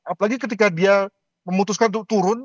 apalagi ketika dia memutuskan untuk turun